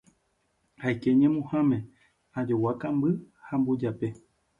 Aike ñemuhãme, ajogua kamby ha mbujape.